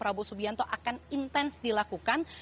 prabowo subianto akan intens dilakukan